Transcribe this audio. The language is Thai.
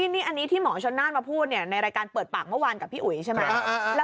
นี่อันนี้ที่หมอชนน่านมาพูดในรายการเปิดปากเมื่อวานกับพี่อุ๋ยใช่ไหม